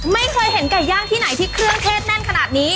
ไม่เคยเห็นไก่ย่างที่ไหนที่เครื่องเทศแน่นขนาดนี้